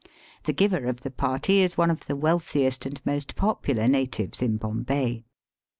The giver of the party is one of the wealthiest and most popular natives in Bombay.